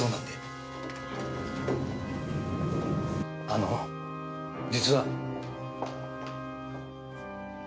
あの実は。